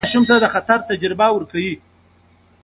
کاردستي ماشوم ته د خطر تجربه ورکوي.